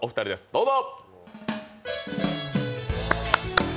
どうぞ！